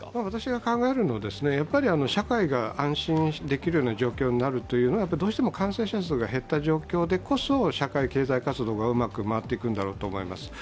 私が考えるには、社会が安心できる状況になるというのはどうしても感染者数が減った状況でこそ、社会経済活動がうまく回っていくんだろうと思います。